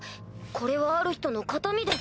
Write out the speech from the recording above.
これはある人の形見で。